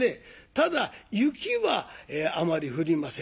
ただ雪はあまり降りません。